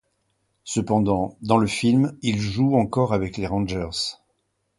Cependant, dans le film, il joue encore avec les Rangers.